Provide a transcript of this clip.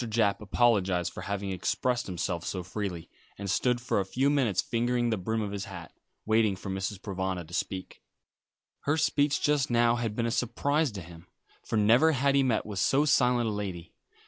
Japp apologised for having expressed himself so freely, and stood for a few minutes fingering the brim of his hat, waiting for Mrs. Provana to speak. Her speech just now had been a surprise to him, for never had he met with so silent a lady.